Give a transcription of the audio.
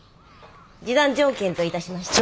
示談条件と致しましては。